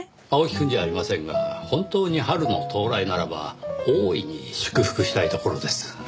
青木くんじゃありませんが本当に春の到来ならば大いに祝福したいところです。